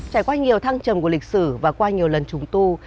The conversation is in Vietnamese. trải qua nhiều thăng trầm của lịch sử và qua nhiều lần trùng tu